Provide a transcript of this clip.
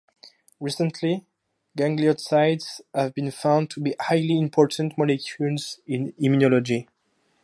Recently, gangliosides have been found to be highly important molecules in immunology.